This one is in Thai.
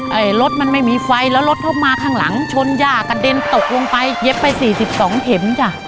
รถมันไม่มีไฟแล้วรถเข้ามาข้างหลังชนย่ากระเด็นตกลงไปเย็บไปสี่สิบสองเข็มจ้ะ